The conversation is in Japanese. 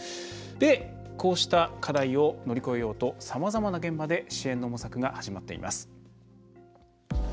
こうした課題を乗り越えようとさまざまな現場で支援の模索が始まっています。